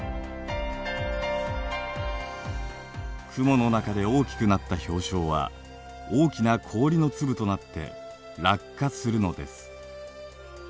雲の中で大きくなった氷晶は大きな氷の粒となって落下するのです。